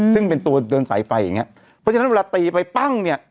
ซึ่งเป็นตัวเดินสายไฟอย่างเงี้ยเพราะฉะนั้นเวลาตีไปปั้งเนี่ย